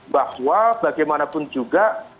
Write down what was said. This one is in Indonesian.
bahwa bagaimanapun juga